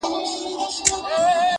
پاړوگر د مار له لاسه مري.